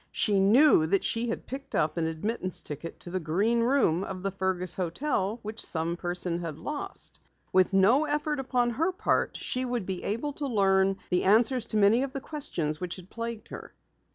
She knew that she had picked up an admittance ticket to the Green Room of the Fergus hotel which some person had lost. With no effort upon her part she would be able to learn the answer to many of the questions which had plagued her.